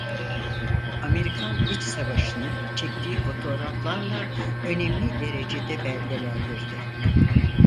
Amerikan İç Savaşı'nı çektiği fotoğraflarla önemli derecede belgelendirdi.